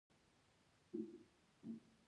وجه جامع داستعارې درېیم رکن دﺉ.